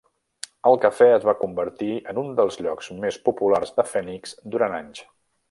El Cafe es va convertir en un dels llocs més populars de Phoenix durant anys.